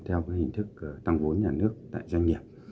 theo hình thức tăng vốn nhà nước tại doanh nghiệp